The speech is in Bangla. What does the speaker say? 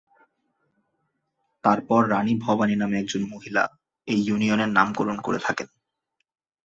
তারপর রাণী ভবানী নামে একজন মহিলা এই ইউনিয়নের নামকরণ করে থাকেন।